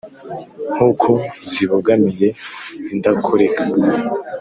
nk’uko zibogamiye indakoreka.